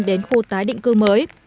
đến khu tái định cư mới